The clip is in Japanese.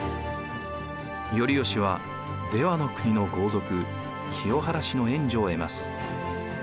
頼義は出羽国の豪族清原氏の援助を得ます。